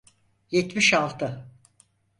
Yetmiş altı.